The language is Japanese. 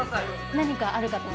何かあるかと。